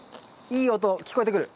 いい音聞こえてくる。